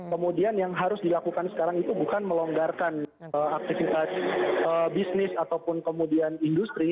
kemudian yang harus dilakukan sekarang itu bukan melonggarkan aktivitas bisnis ataupun kemudian industri